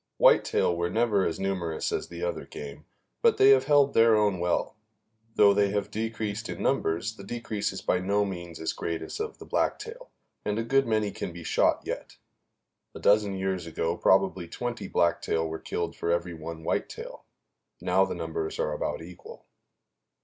Whitetail were never as numerous as the other game, but they have held their own well. Though they have decreased in numbers, the decrease is by no means as great as of the blacktail, and a good many can be shot yet. A dozen years ago probably twenty blacktail were killed for every one whitetail; now the numbers are about equal.